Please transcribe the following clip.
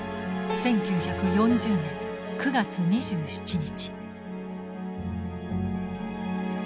１９４０年９月２７日。